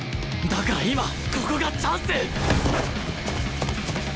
だから今ここがチャンス！